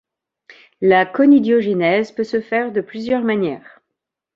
La conidiogenèse peut se faire de plusieurs manières.